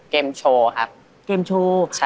เกมโชว์ครับใช่ค่ะ